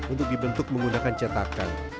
untuk dibentuk menggunakan cetakan